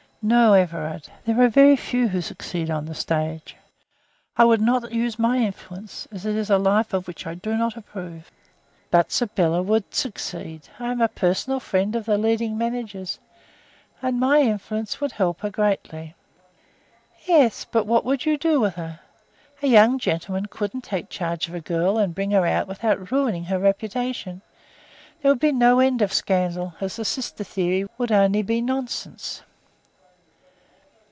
"No, Everard; there are very few who succeed on the stage. I would not use my influence, as it is a life of which I do not approve." "But Sybylla would succeed. I am a personal friend of the leading managers, and my influence would help her greatly." "Yes; but what would you do with her? A young gentleman couldn't take charge of a girl and bring her out without ruining her reputation. There would be no end of scandal, as the sister theory would only be nonsense."